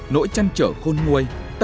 nỗi chăn trở khôn nguôi